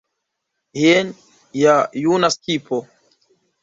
Jen ja juna skipo.